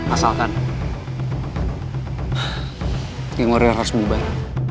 asalkan game warrior harus bubar